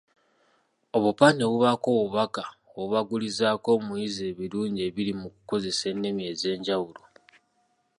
Obupande bubaako obubaka obubagulizaako omuyizi ebirungi ebiri mu kukozesa ennimi ezenjawulo.